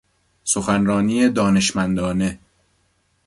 سخنرانی دانشمندانه